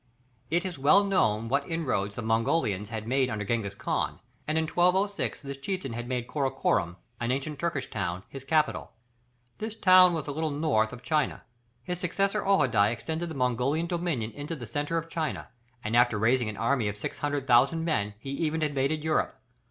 It is well known what inroads the Mongolians had made under Gengis Khan, and in 1206 this chieftain had made Karakorum, an ancient Turkish town, his capital. This town was a little north of China. His successor Ojadaï, extended the Mongolian dominion into the centre of China, and, after raising an army of 600,000 men, he even invaded Europe.